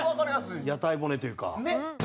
屋台骨というか。